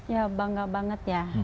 ya bangga banget ya